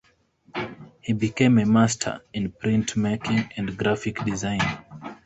He became a master in printmaking and graphic design.